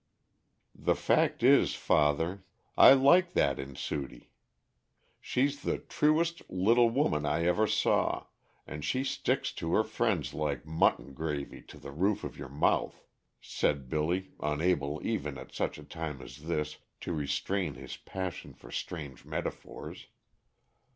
The fact is, father, I like that in Sudie. She's the truest little woman I ever saw, and she sticks to her friends like mutton gravy to the roof of your mouth," said Billy, unable, even at such a time as this, to restrain his passion for strange metaphors.